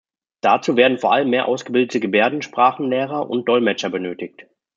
Dazu werden vor allem mehr ausgebildete Gebärdensprachenlehrer und -dolmetscher benötigt.